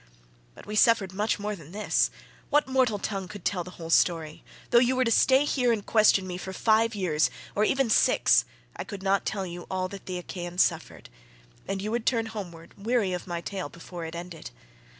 But we suffered much more than this; what mortal tongue indeed could tell the whole story? Though you were to stay here and question me for five years, or even six, I could not tell you all that the Achaeans suffered, and you would turn homeward weary of my tale before it ended.